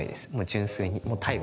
純粋に。